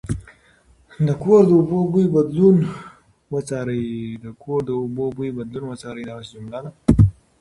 د کور د اوبو بوی بدلون وڅارئ.